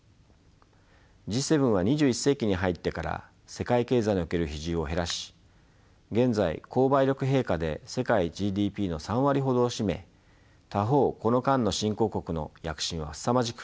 Ｇ７は２１世紀に入ってから世界経済における比重を減らし現在購買力平価で世界ＧＤＰの３割ほどを占め他方この間の新興国の躍進はすさまじく